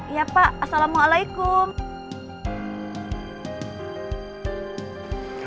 iya pak assalamualaikum